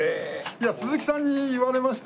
いや鈴木さんに言われまして。